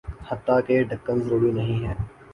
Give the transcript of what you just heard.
حتٰیکہ ڈھکن ضروری نہیں ہیں